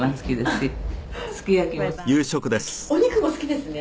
「お肉も好きですね」